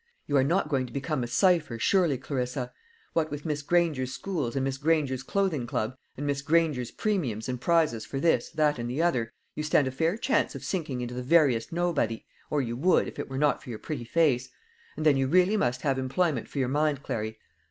You are not going to become a cipher, surely, Clarissa! What with Miss Granger's schools, and Miss Granger's clothing club, and Miss Granger's premiums and prizes for this, that, and the other, you stand a fair chance of sinking into the veriest nobody, or you would, if it were not for your pretty face. And then you really must have employment for your mind, Clary.